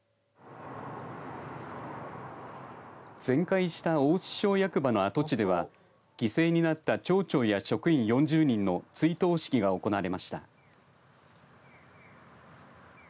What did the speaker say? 全壊した大槌町役場の跡地では犠牲になった町長や職員４０人の追悼式が行われました。